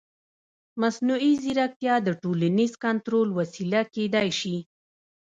مصنوعي ځیرکتیا د ټولنیز کنټرول وسیله کېدای شي.